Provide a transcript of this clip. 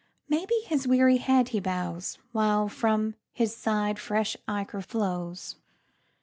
Maybe his weary head he bows, While from his side fresh ichor flows.